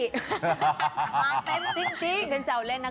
มาเต็มจริง